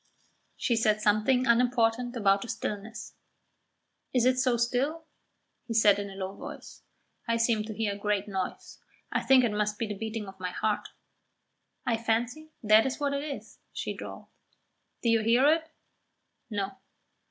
She said something unimportant about the stillness. "Is it so still?" he said in a low voice. "I seem to hear a great noise. I think it must be the beating of my heart." "I fancy that is what it is," she drawled. "Do you hear it?" "No."